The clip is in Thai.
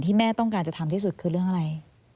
แม่ต้องการจะทำที่สุดคือเรื่องอะไร